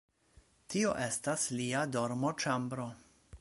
Tio estas lia dormoĉambro.